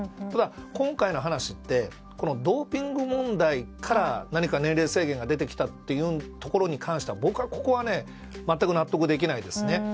ただ、今回の話ってドーピング問題から年齢制限が出てきたことに関して僕はここは全く納得できないですね。